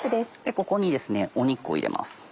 ここに肉を入れます。